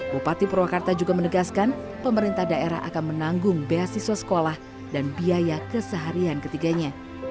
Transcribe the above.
bupati purwakarta juga menegaskan pemerintah daerah akan menanggung beasiswa sekolah dan biaya keseharian ketiganya